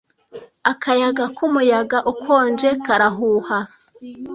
akayaga k'umuyaga ukonje karahuha